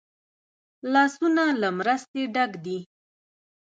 لاسونه له مرستې ډک دي